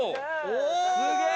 すげえ！